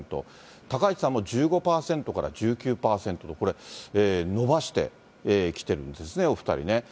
高市さんも１５％から１９％と、これ、伸ばしてきてるんですね、お２人ね。